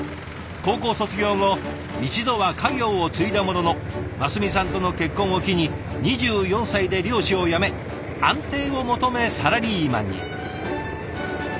高校卒業後一度は家業を継いだものの真澄さんとの結婚を機に２４歳で漁師を辞め安定を求めサラリーマンに。